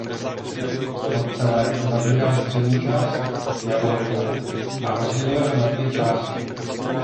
Podcelek zabírá střední část Javoria a rozděluje ho na dvě části.